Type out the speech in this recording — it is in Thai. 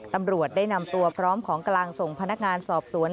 ตำรวจได้นำตัวพร้อมของกลางส่งพนักงานสอบสวน